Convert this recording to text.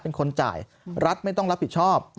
เป็นคนจ่ายรัฐไม่ต้องรับผิดชอบ